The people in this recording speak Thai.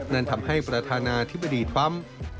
นั่นทำให้ประธานาธิบดีทรัมป์